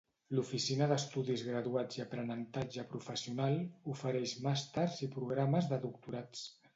L'Oficina d'Estudis Graduats i Aprenentatge Professional ofereix màsters i programes de doctorats.